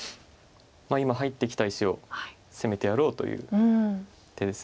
今入ってきた石を攻めてやろうという手です。